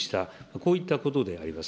こういったことであります。